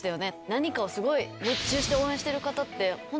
何かをすごい熱中して応援してる方って。